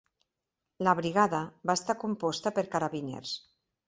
La brigada va estar composta per carabiners.